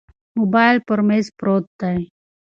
موبایل پر مېز پروت دی.